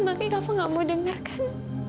maka kava nggak mau dengar kan